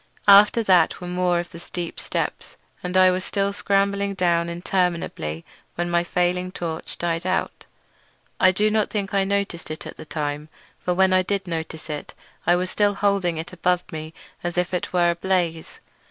After that were more of the steep steps, and I was still scrambling down interminably when my failing torch died out. I do not think I noticed it at the time, for when I did notice it I was still holding it high above me as if it were ablaze.